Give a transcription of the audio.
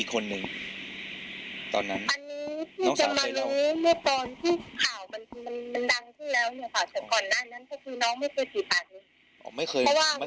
ค่ะแต่ว่าแม่ก็จะพยายามถามเค้ายุ่ง